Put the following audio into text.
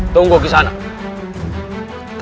jangan salahkan aku